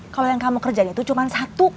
kalau yang kamu kerjain itu cuma satu